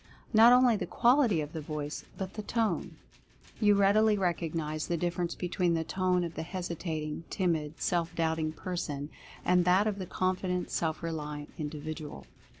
Not only the qual ity of the voice, but the Tone. You readily recognize the difference between the tone of the hesitating, timid, self doubting person, and that of the confident, self reliant individual.